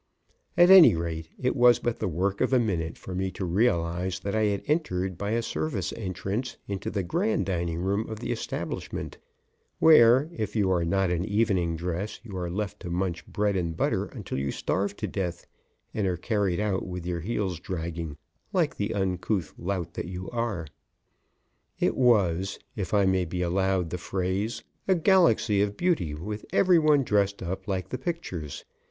At any rate, it was but the work of a minute for me to realize that I had entered by a service entrance into the grand dining room of the establishment, where, if you are not in evening dress, you are left to munch bread and butter until you starve to death and are carried out with your heels dragging, like the uncouth lout that you are. It was, if I may be allowed the phrase, a galaxy of beauty, with every one dressed up like the pictures.